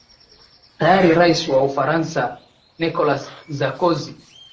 tayari rais wa ufaransa nicholas sarkozy